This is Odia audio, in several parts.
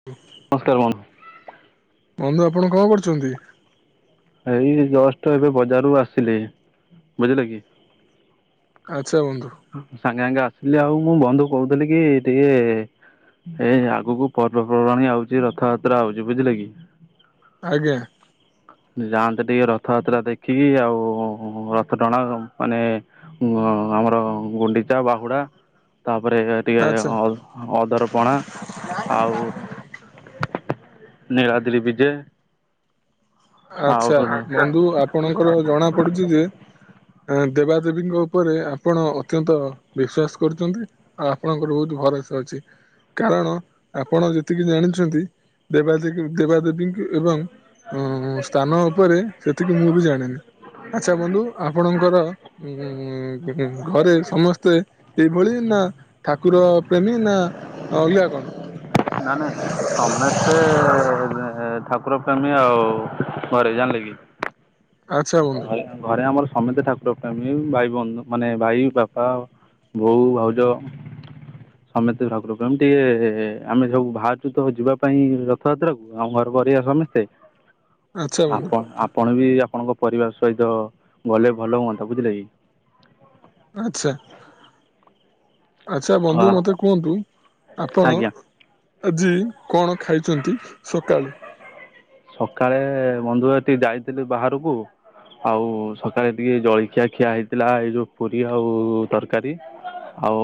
[unintelligible] ନମସ୍କାର ବନ୍ ବନ୍ଧୁ ଆପଣ କଣ କରୁଛନ୍ତି? ଏଇ ଜଷ୍ଟ ଏବେ ବଜାରରୁ ଆସିଲି ବୁଝିଲେ କି। ଆଚ୍ଛା ବନ୍ଧୁ। ସାଙ୍ଗେ ସାଙ୍ଗେ ଆସିଲି ଆଉ ମୁଁ ବନ୍ଧୁ କହୁଥିଲି କି ଟିକେ ଏଇ ଆଗକୁ ପର୍ବପର୍ବାଣି ଆଉଛି ରଥଯାତ୍ରା ହଉଛି ବୁଝିଲେ କି? ଆଜ୍ଞା। ଯାଆନ୍ତୁ ଟିକେ ରଥଯାତ୍ରା ଦେଖିକି ଆଉ ରଥ ଟଣା ମାନେ ଆମର ଗୁଣ୍ଡିଚା ବାହୁଡା ତାପରେ ଟିକେ ଆଚ୍ଛା। ଅ ଅଦରପଣା ଆଉ ନୀଳାଦ୍ରି ବିଜେ। ଆଉ ଆଚଛା ବନ୍ଧୁ ଆପଣଙ୍କର ଜଣା ପଡୁଛି ଯେ ଦେବାଦେବୀଙ୍କ ଉପରେ ଆପଣ ଅତ୍ୟନ୍ତ ବିଶ୍ଵାସ କରୁଛନ୍ତି। ଆଉ ଆପଣଙ୍କର ବହୁତ ଭରସା ଅଛି କାରଣ ଆପଣ ଯେତିକି ଜାଣିଛନ୍ତି ଦେବାଦେବୀ ଦେବା ଦେବୀଙ୍କୁ ଏବଂ ମୁଁ ସ୍ଥାନ ଉପରେ ସେତିକି ମୁଁ ବି ଜାଣିନି ଆଚ୍ଛା ବନ୍ଧୁ ଆପଣଙ୍କର ଉ ଘରେ ସମସ୍ତେ ଏଇଭଳି ନା ଠାକୁର ପ୍ରେମୀ ନା ଅଲଗା କଣ। ନା ନାଇଁ ସମେସ୍ତେ ଠାକୁର ପ୍ରେମୀ ଆଉ ଘରେ ଜାଣିଲେ କି? ଆଚ୍ଛା ବନ୍ଧୁ। ଘରେ ଘରେ ଆମର ସମେତେ ଠାକୁର ପ୍ରେମୀ ଭାଇ ବନ୍ଧୁ ମାନେ ଭାଇ ବାପା। ବୋଉ ଭାଉଜ। [inaudible] ସମସ୍ତେ ଠାକୁର ପ୍ରେମୀ ଟିକେ ଆମେ ସବୁ ବାହାରୁଛୁ ତ ଯିବା ପାଇଁ ରଥଯାତ୍ରାକୁ ଆମ ଘର ପରିବାର ସମସ୍ତେ। [inaudible] ବନ୍ଧୁ ଆପଣ ଆପଣ ବି ଆପଣଙ୍କ ପରିବାର ସହିତ ଗଲେ ଭଲ ହୁଅନ୍ତା ବୁଝିଲେ କି? ଆଚ୍ଛା। ଆଚ୍ଛା ବନ୍ଧୁ ହଁ ମୋତେ କୁହନ୍ତୁ ଆପଣ ଆଜ୍ଞା ଆଜି କଣ ଖାଇଛନ୍ତି ସକାଳେ? ସକାଳେ ବନ୍ଧୁ ଟିକେ ଯାଇଥିଲି ବାହାରକୁ। ଆଉ ସକାଳେ ଟିକେ ଜଳଖିଆ ଖିଆ ହେଇଥିଲା ଏଇ ଯୋଉ ପୁରୀ ଆଉ ତରକାରୀ। ଆଉ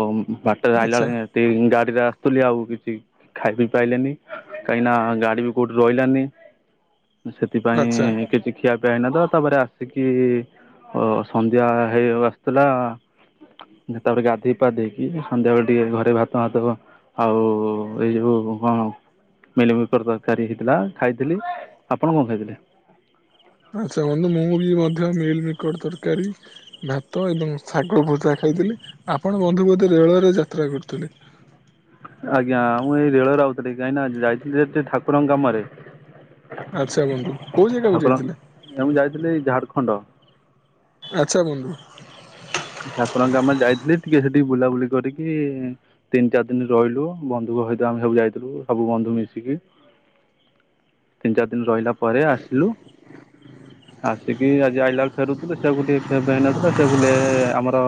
ବାଟରେ ଆଇଲା ଆଚ୍ଛା ବେଳେ ଏ ଗାଡିରେ ଆସୁଥିଲି ଆଉ କିଛି ଖାଇ ପିଇ ପାଇଲେନି କାହିଁକି ନା ଗାଡି ବି କୋଉଠି ରହିଲାନି। ଆଚ୍ଛା ସେଥିପାଇଁ କିଛି ଖିଆପିଆ ହୋଇନଥିଲା ତାପରେ ଆସିକି ସନ୍ଧ୍ୟା ହେଇ ଆସୁଥିଲା। ତାପରେ ଗାଧୋଇ ପାଧେଇକି ସନ୍ଧ୍ୟାବେଳେ ଟିକେ ଘରେ ଭାତ ଭାତ ମାତ କଣ ଆଉ ଏଇ ଯୋଉ କଣ ମିଳିମିକର୍ ତରକାରୀ ହେଇଥିଲା ଖାଇଥିଲି। ଆପଣ କଣ ଖାଇଥିଲେ? ଆଛା ବନ୍ଧୁ ମୁବୀ ମଧ୍ୟ ମିଲମିକର ତରକାରୀ। ଭାତ ଏବଂ ଶାଗ ଭଜା ଖାଇଥିଲି ଆପଣ ବନ୍ଧୁ ବୋଧେ ରେଳରେ ଯାତ୍ରା କରୁଥିଲେ? ଆଜ୍ଞା ମୁଁ ଏଇ ରେଳରେ ରହୁଥିଲି କାହିଁକିନା ଯାଇଥିଲି ଯେ ଠାକୁରଙ୍କ କାମରେ। ଆଚ୍ଛା ବନ୍ଧୁ କୋଉ ଜାଗାକୁ ଯାଇଥିଲେ? ନାଁ ମୁଁ ଯାଇଥିଲି ଝାଡଖଣ୍ଡ। ଆଚ୍ଛା ବନ୍ଧୁ। ଠାକୁରଙ୍କ କାମରେ ଯାଇଥିଲି ଟିକେ ସେଟି ବୁଲାବୁଲି କରିକି ତିନି ଚାରି ଦିନ ରହିଲୁ ବନ୍ଧୁଙ୍କ ସହିତ ଆମେ ସବୁ ଯାଇଥିଲୁ ସବୁ ବନ୍ଧୁ ମିଶିକି। ତିନି ଚାରି ଦିନ ରହିଲା ପରେ ଆସିଲୁ। ଆସିକି ଆଜି ଆଇଲା ଫେରୁଥିଲୁ ସେଇଆକୁ ଟିକେ ଖିଆ ପିଆ ହେଇନଥିଲା ସେବୋଲେ ଆମର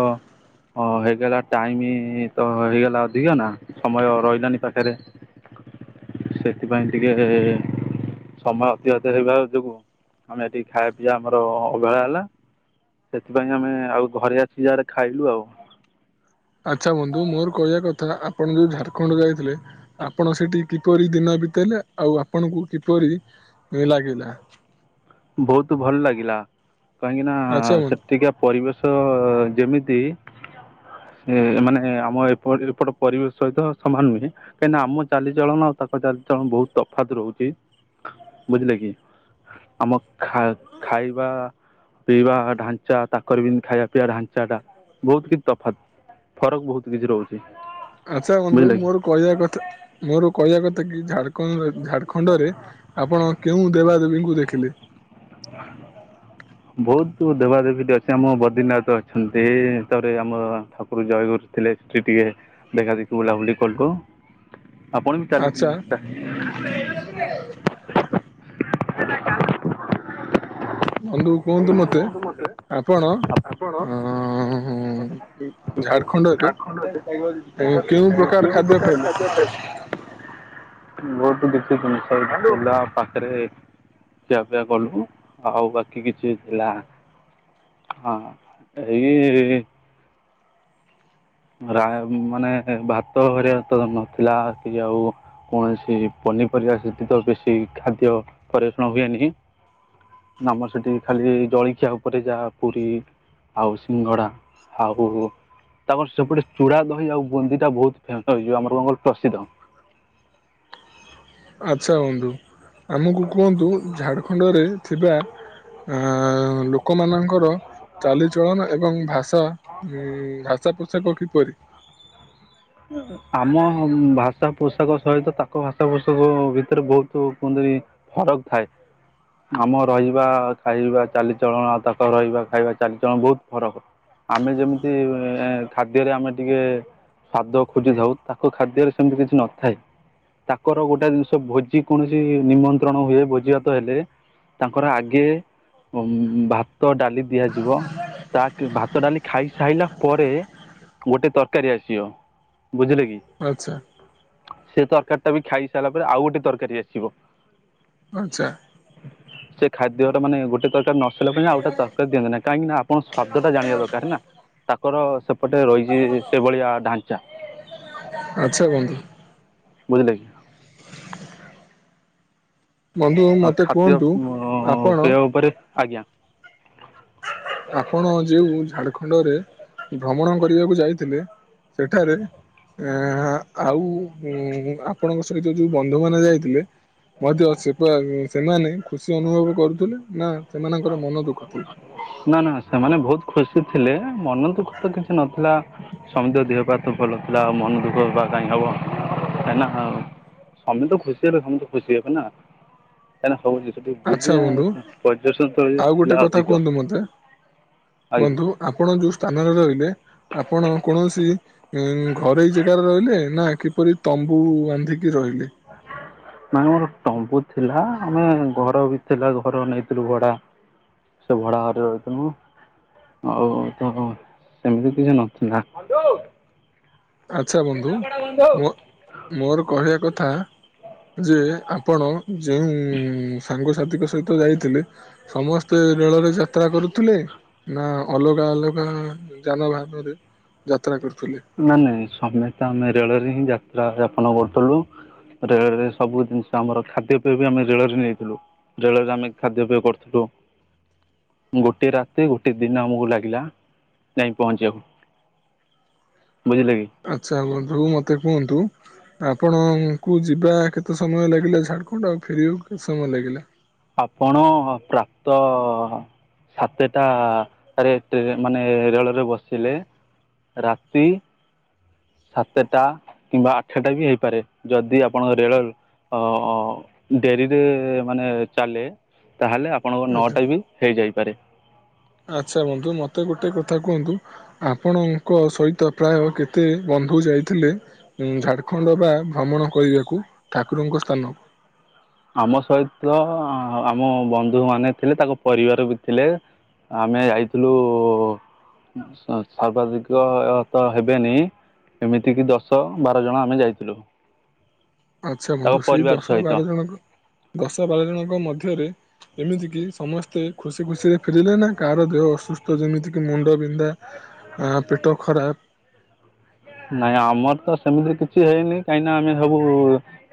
ହ ହେଇଗଲା ଟାଇମ ତ ହେଇଗଲା ଅଧିକ ନା। ସମୟ ରହିଲାନି ପାଖରେ। ସେଥିପାଇଁ ଟିକେ ସମୟ ଅତିବାହିତ ହେଇବା ଯୋଗୁ। ଆମେ ଏଠି ଖାଇବା ପିଇବା ଆମର ଅବହେଳା ହେଲା ସେଥିପାଇଁ ଆମେ ଆଉ ଘରେ ଆ ସେଇ ଜାଗାରେ ଖାଇଲୁ ଆଉ। ଆଚ୍ଛା ବନ୍ଧୁ ମୋର କହିବା କଥା ଆପଣ ଯୋଉ ଝାଡ଼ଖଣ୍ଡ ଯାଇଥିଲେ। ଆପଣ ସେଠି କିପରି ଦିନ ବିତେଇଲେ ଆଉ ଆପଣଙ୍କୁ କିପରି ଲାଗିଲା। ବହୁତ ଭଲ ଲାଗିଲା କାହିଁକି ନା ଆଚ୍ଛା ବନ୍ଧୁ। ସେ ଟିକେ ପରିବେଶ ଯେମିତି। ସେ ମାନେ ଆମ ଏପଟ ଏପଟ ପରିବେଶ ସହିତ ସମାନ ନୁହେଁ। କାହିଁକି ନା ଆମ ଚାଲିଚଳନ ଆଉ ତାଙ୍କ ଚାଲିଚଳନ ବହୁତ ତଫାତ ରହୁଛି ବୁଝିଲେ କି? ଆମକ ଖା ଖାଇବା ପିଇବା ଢାଞ୍ଚା ତାଙ୍କର ବି ଖାଇବା ପିଇବା ଢାଞ୍ଚା ଟା ବହୁତ କିଛି ତଫାତ୍। ଫରକ ବହୁତ କିଛି ରହୁଛି। ଆଚ୍ଛା ବନ୍ଧୁ ବୁଝିଲେ କି ମୋର କହିବା କଥା ମୋର କହିବା କଥା କି ଝାଡ କ ଝାଡଖଣ୍ଡରେ ଆପଣ କେଉଁ ଦେବାଦେବୀଙ୍କୁ ଦେଖିଲେ? [unintelligible] ବହୁତ ଦେବାଦେବୀ [unintelligible] ସେ ଆମ ବଦ୍ରିନାଥ ଅଛନ୍ତି ତାପରେ ଆମ ଠାକୁର ଜୟଗୁୁର୍ ଥିଲେ ସେଇଠି ଟିକେ ଦେଖା ଦେଖି ବୁଲାବୁଲି କଲୁ। ଆପଣ ବି ଆଚ୍ଛା ଚାଲିଚି ତା ବନ୍ଧୁ କୁହନ୍ତୁ ମତେ ଆପଣ ଆପଣ ଅଁ [unintelligible] ଝାଡ଼ଖଣ୍ଡରେ କେଉଁ କେଉଁ ଖାଦ୍ୟ ପ୍ରକାର ଖାଇଲେ? ଖାଦ୍ୟ [inaudible] ବହୁତ ଦେଖିଛି ମୁଁ [unintelligible] ପାଖେରେ ଖିଆପିଆ କଲୁ ଆଉ ବାକି କିଛି ଥିଲା ହଁ ଏଇ ରା ମାନେ ଭାତ ଘରିକା ତ ନଥିଲା କି ଆଉ କୌଣସି ପନିପରିବା ସେଇଠି ତ ବେଶୀ ଖାଦ୍ୟ ପରିବଷଣ ହୁଏନି। ଆମର ସେଇଠି ଖାଲି ଜଳିଖିଆ ଉପରେ ଯାହା ପୁରୀ ଆଉ ସିଙ୍ଗଡ଼ା ଆଉ ତାଙ୍କର ସେପଟେ ଚୂଡ଼ା ଦହି ଆଉ ବୁନ୍ଦିଟା ବହୁତ ଫେ ଏ ଯୋଉ ଆମର କଣ କହିଲୁ ପ୍ରସିଦ୍ଧ। ଆଚ୍ଛା ବନ୍ଧୁ ଆମୁକୁ କୁହନ୍ତୁ ଝାଡ଼ଖଣ୍ଡରେ ଥିବା ଆଁ ଲୋକମାନଙ୍କର ଚାଲିଚଳନ ଏବଂ ଭାଷା ଉଁ ଭାଷା ପୋଷାକ କିପରି? ଉଁ ଆମ ଭାଷା ପୋଷାକ ସହିତ ତାଙ୍କ ଭାଷା ପୋଷାକ ଭିତେରେ ବହୁତ କୁହନ୍ତି ଫରକ୍ ଥାଏ। ଆମ ରହିବା ଖାଇବା ଚାଲିଚଳଣ, ଆଉ ତାଙ୍କ ରହିବା ଖାଇବା ଚାଲିଚଳଣ ବହୁତ ଫରକ। ଆମେ ଯେମିତି ଏଁ ଖାଦ୍ୟରେ ଆମେ ଟିକେ ସ୍ବାଦ ଖୋଜିଥାଉ ତାଙ୍କ ଖାଦ୍ୟରେ ସେମିତି କିଛି ନଥାଏ। ତାଙ୍କର ଗୋଟାଏ ଜିନିଷ ଭୋଜି କୌଣସି ନିମନ୍ତ୍ରଣ ହୁଏ ଭୋଜିଭାତ ହେଲେ ତାଙ୍କର ଆଗେ ଉଁ ଭାତ ଡାଲି ଦିଆଯିବ ତା କି ଭାତ ଡାଲି ଖାଇସାଇଲା ପରେ ଗୋଟେ ତରକାରୀ ଆସ୍ ସିବ। ବୁଝିଲେ କି? ଆଚ୍ଛା। ସେ ତରକାରୀ ଟା ବି ଖାଇସାରିଲା ପରେ ଆଉ ଗୋଟେ ତରକାରୀ ଆସିବ। ଆଚ୍ଛା। ସେ ଖାଦ୍ୟର ମାନେ ଗୋଟେ ତରକାରୀ ନ ସରିବା [unintelligible] ଆଉଗୋଟା ତରକାରୀ ଦିଅନ୍ତି ନାହିଁ। କାହିଁକି ନା ଆପଣ ସ୍ଵାଦଟା ଜାଣିବା ଦରକାର ନା। ତାଙ୍କର ସେପଟେ ରହିଛି ସେଇଭଳିଆ ଢାଞ୍ଚା। ଆଚ୍ଛା କୁହନ୍ତୁ। ବୁଝିଲେ କି। ବନ୍ଧୁ ଆଉ ମୋତେ ଖାଦ୍ୟ କୁହନ୍ତୁ ଉଁ ଆପଣ ପେୟ ଉପରେ ଆଜ୍ଞା। ଆପଣ ଯେଉଁ ଝାଡଖଣ୍ଡରେ ଭ୍ରମଣ କରିବାକୁ ଯାଇଥିଲେ ସେଠାରେ ଆଁ ଉଁ ଆଉ ଆପଣଙ୍କ ସହିତ ଯୋଉ ବନ୍ଧୁ ମାନେ ଯାଇଥିଲେ ମଧ୍ୟ ସେପା ଉଁ ସେମାନେ ଖୁସି ଅନୁଭବ କରୁଥିଲେ ନା ସେମାନଙ୍କର ମନ ଦୁଃଖ ଥିଲା। ନା ନା ସେମାନେ ବହୁତ ଖୁସି ଥିଲେ। ମନ ଦୁଃଖ ତ କିଛି ନଥିଲା। ସମିତିଙ୍କ ଦେହ ପାହ ତ ଭଲ ଥିଲା। ଆଉ ମନ ଦୁଃଖ ବା କାହିଁ ହବ। କାହିଁକିନା ଆଉ ସମେତେ ଖୁସି ହେଲେ ସମସ୍ତେ ଖୁସି ହେବେ ନା। କାହିଁକି ନା [unintelligible] ସେଇଠି ଆଚ୍ଛା ବୁଲିଆ ବନ୍ଧୁ ଆଁ ଆଉ ଗୋଟେ କଥା କୁହନ୍ତୁ ମତେ ଆଜ୍ଞା। ବନ୍ଧୁ। ଆପଣ ଯୋଉ ସ୍ଥାନରେ ରହିଲେ, ଆପଣ କୌଣସି ଉଁ ଘରୋଇ ଜେଗାରେ ରହିଲେ ନା କିପରି ତମ୍ବୁ ବାନ୍ଧିକି ରହିଲେ? ନାଇ ଆମର ତମ୍ବୁ ଥିଲା। ଆମେ ଘର ବି ଥିଲା। ଘର ନେଇଥିଲୁ ଭଡା। ସେ ଭଡାଘରେ ରହିଥିନୁ। ଆଉ ତ ସେମିତି କିଛି ନଥିଲା। ଆଚ୍ଛା ବନ୍ଧୁ ମୋ-ମୋର କହିବା କଥା ଯେ ଆପଣ ଯେଉଁ ଉଁ ସାଙ୍ଗସାଥିଙ୍କ ସହିତ ଯାଇଥିଲେ ସମସ୍ତେ ରେଳରେ ଯାତ୍ରା କରୁଥିଲେ? ନା, ଅଲଗା ଅଲଗା ଯାନବାହନରେ ଯାତ୍ରା କରୁଥିଲେ? ନା ନାଇଁ, ସମତେ ଆମେ ରେଳରେ ହିଁ ଯାତ୍ରା ଯାପନ କରୁଥୁଲୁ ରେଳରେ ସବୁ ଜିନିଷ ଆମର, ଖାଦ୍ୟପେୟ ବି ଆମେ ରେଳରେ ନେଇଥିଲୁ। ରେଳରେ ଆମେ ଖାଦ୍ୟପେୟ କରୁଥୁଲୁ ଗୋଟିଏ ରାତି, ଗୋଟିଏ ଦିନ ଆମକୁ ଲାଗିଲା, ଯାଇଁ ପହଞ୍ଚିବାକୁ। ବୁଝିଲେ କି? ଆଚ୍ଛା ବନ୍ଧୁ, ମତେ କୁହନ୍ତୁ ଆପଣଙ୍କୁ ଯିବା କେତେ ସମୟ ଲାଗିଲା ଝାଡ଼ଖଣ୍ଡ ଆଉ ଫେରିବାକୁ କେତେ ସମୟ ଲାଗିଲା? ଆପଣ ପ୍ରାପ୍ତ ସାତେଟାରେ ଟ୍ରେ ମାନେ ରେଳରେ ବସିଲେ, ରାତି ସାତେଟା କିମ୍ବା ଆଠଟା ବି ହେଇପାରେ। ଯଦି ଆପଣଙ୍କ ରେଳ ଅ ଡେରିରେ ମାନେ ଚାଲେ, ତାହେଲେ ଆପ ଆପଣଙ୍କ ଆଚ୍ଛା। ନଅଟା ବି ହେଇଯାଇପାରେ। ଆଚ୍ଛା ବନ୍ଧୁ, ମତେ ଗୋଟେ କଥା କୁହନ୍ତୁ ଆପଣଙ୍କ ସହିତ ପ୍ରାୟ କେତେ ବନ୍ଧୁ ଯାଇଥିଲେ ଉମ୍ ଝାଡଖଣ୍ଡ ବା ଭ୍ରମଣ କରିବାକୁ ଠାକୁରଙ୍କ ସ୍ଥାନକୁ? ଆମ ସହିତ ଆମ ବନ୍ଧୁ ମାନେ ଥିଲେ, ତାଙ୍କ ପରିବାର ବି ଥିଲେ ଆମେ ଯାଇଥିଲୁ ସ-ସର୍ବାଧିକ ତ ହେବେନି ଏମିତିକିି ଦଶ ବାର ଜଣ ଆମେ ଯାଇଥିଲୁ। ଆଚ୍ଛା ବନ୍ଧୁ। ତାଙ୍କ ସେଇ ପରିବାର ଦଶ ସହିତ ବାର ଜଣଙ୍କ, ଦଶ ବାର ଜଣଙ୍କ ମଧ୍ୟରେ ଏମିତିକିି ସମସ୍ତେ ଖୁସି ଖୁସିରେ ଫେରିଲେ ନା, କାହାର ଦେହ ଅସୁସ୍ଥ ଯେମିତି କିି ମୁଣ୍ଡ ବି ବିନ୍ଧା, ଆ ପେଟ ଖରାପ ନାଇଁ ଆମର ତ ସେମିତି କିଛି ହେଇନି, କାହିଁନା ଆମେ ସବୁ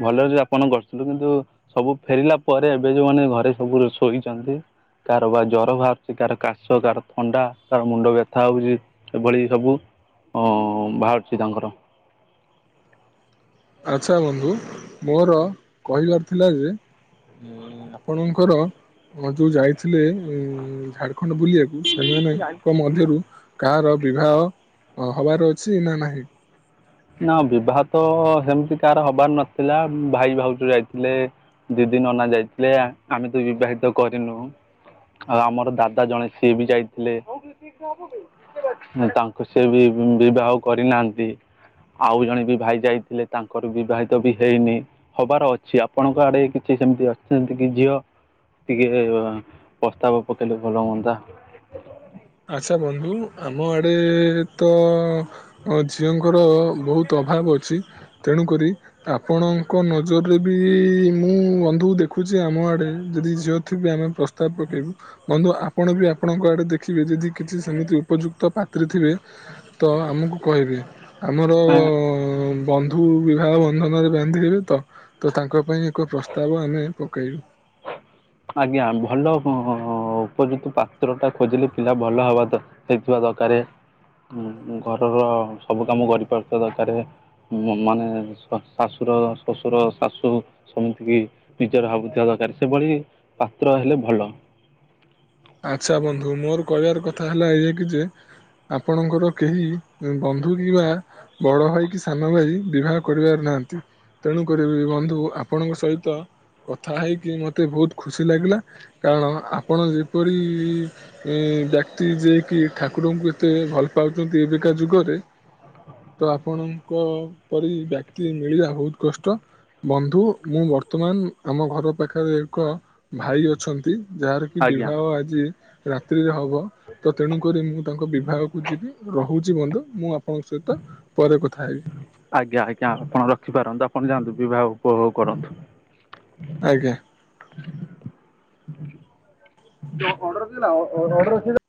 ଭଲରେ ଯାପନ କରିଥିଲୁ କିନ୍ତୁ ସବୁ ଫେରିଲା ପରେ ଏବେ ଯୋଉମାନେ ଘରେ ସବୁ ଶୋଇଛନ୍ତି କାହାର ବା ଜର ବାହାରୁଛି, କାହାର କାଶ, କାହାର ଥଣ୍ଡା, କାହାର ମୁଣ୍ଡ ବ୍ୟଥା ହଉଛି ଏଭଳି ସବୁ ଅ ବାହାରୁଛି ତାଙ୍କର। ଆଚ୍ଛା ବନ୍ଧୁ, ମୋର କହିବାର ଥିଲା ଯେ ଉମ୍ ଆପଣଙ୍କର ଯୋଉ ଯାଇଥିଲେ, ଉମ୍ ଝାଡଖଣ୍ଡ ବୁଲିଆକୁ ସେମାନେଙ୍କ ମଧ୍ୟରୁ କାହାର ବିବାହ ହବାର ଅଛି ନା ନାହିଁ? ନା, ବିବାହ ତ ସେମତି କାହାର ହବାର ନଥିଲା, ଭାଇ ଭାଉଜ ଯାଇଥିଲେ ଦିଦି, ନନା ଯାଇଥିଲେ, ଆମେ ତ ବିବାହିତ କରିନୁ ଆଉ ଆମର ଦାଦା ଜଣେ, ସିଏ ବି ଯାଇଥିଲେ ଆ ତାଙ୍କୁ ସେ ବି ବିବାହ କରିନାହାଁନ୍ତି ଆଉ ଜଣେ ବି ଭାଇ ଯାଇଥିଲେ, ତାଙ୍କର ବିବାହିତ ବି ହେଇନି ହବାର ଅଛି। ଆପଣଙ୍କ ଆଡେ କିଛି ସେମତି ଅଛନ୍ତି କି ଝିଅ? ଟିକେ ପ୍ରସ୍ତାବ ପକେଇଲେ ଭଲ ହୁଅନ୍ତା। ଆଚ୍ଛା ବନ୍ଧୁ, ଆମ ଆଡ଼େ ତ ଅ ଝିଅଙ୍କର ବହୁତ ଅଭାବ ଅଛି, ତେଣୁକରି ଆପଣଙ୍କ ନଜରରେ ବି ମୁଁ ବନ୍ଧୁ ଦେଖୁଛି ଆମ ଆଡେ ଯଦି ଝିଅ ଥିବେ, ଆମେ ପ୍ରସ୍ତ ସ୍ତାବ ପକେଇବୁ। ବନ୍ଧୁ ଆପଣ ବି ଆପଣଙ୍କ ଆଡେ ଦେଖ ଦେଖିବେ, ଯଦି କିଛି ସେମିତି ଉପଯୁକ୍ତ ପାତ୍ରୀ ଥିବେ, ତ ଆମକୁ କହିବେ। ଆମର ଅ ବନ୍ଧୁ ନ୍ଧୁ ବିବାହ ବନ୍ଧନରେ ବାନ୍ଧିହେବେ ତ, ତ ତାଙ୍କ ପାଇଁ ଏକ ପ୍ରସ୍ତାବ ଆମେ ପକାଇବୁ। ଆଜ୍ଞା। ଭଲ ହ-ହ-ହ-ହ ଉପଯୁକ୍ତ ପାତ୍ରଟା ଖୋଜିଲେ ପିଲା ଭଲ ହବା ଦର ହେଇଥିବା ଦରକାରେ, ଉମ୍ ଘରର ସବୁ କାମ କରିପାରୁଥିବା ଦରକାରେ ମ-ମାନେ ଶ-ଶାଶୂ ଶ୍ୱଶୁର, ଶାଶୂ ସମତିକି ନିଜର ଭାବୁଥିବା ଦରକାର, ସେଭଳି ପାତ୍ର ହେଲେ ଭଲ। ଆଚ୍ଛା ବନ୍ଧୁ। ମୋର କହିବାର କଥା ହେଲା ଏୟା କି ଯେ ଆପଣଙ୍କର କେହି ବନ୍ଧୁ କିମ୍ବା ବଡଭାଇ କି ସାନଭାଇ ବିବାହ କରିବାରେ ନାହାନ୍ତି। ତେଣୁକରି ବନ୍ଧୁ ଆପଣଙ୍କ ସହିତ କଥା ହେଇକି ମତେ ବହୁତ ଖୁସି ଲାଗିଲା କାରଣ ଆପଣ ଯେପରି ଏ ବ୍ୟକ୍ତି ଯିଏ କିି ଠାକୁରଙ୍କୁ ଏତେ ଭଲ ପାଉଛନ୍ତି ଏବେକା ଯୁଗରେ। ତ ଆପଣଙ୍କ ପରି ବ୍ୟକ୍ତି ମିଳିଲା ବହୁତ କଷ୍ଟ। ବନ୍ଧୁ ମୁଁ ବର୍ତ୍ତମାନ ଆମ ଘର ପାଖରେ ଏକ ଭାଇ ଅଛନ୍ତି ଯାହାର କି ଆଜ୍ଞା ବିବାହ ଆଜି ରାତ୍ରିରେ ହବ। ତ ତେଣୁକରି ମୁଁ ତାଙ୍କ ବିବାହକୁ ଯିବି ରହୁଛି ବନ୍ଧୁ ମୁଁ ଆପଣଙ୍କ ସହିତ ପରେ କଥାହେବି। ଆଜ୍ଞା ଆଜ୍ଞା ଆପଣ ରଖିପାରନ୍ତୁ ଆପଣ ଯାଆନ୍ତୁ ବିବାହ ଉପଭୋଗ କରନ୍ତୁ। ଆଜ୍ଞା। ଅଡର ଥିଲା ଅଡର ଥିଲା।